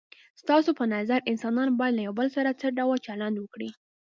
ستاسو په نظر انسانان باید له یو بل سره څه ډول چلند وکړي؟